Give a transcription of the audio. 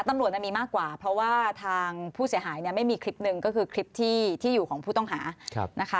ตำรวจมีมากกว่าเพราะว่าทางผู้เสียหายเนี่ยไม่มีคลิปหนึ่งก็คือคลิปที่อยู่ของผู้ต้องหานะคะ